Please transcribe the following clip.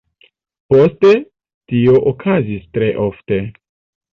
Poste, tio okazis tre ofte.